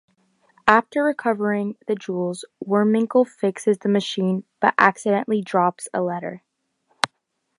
After recovering the jewels, Worminkle fixes the machine, but accidentally drops a letter.